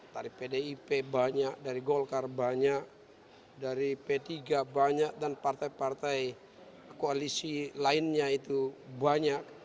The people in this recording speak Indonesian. dari pdip banyak dari golkar banyak dari p tiga banyak dan partai partai koalisi lainnya itu banyak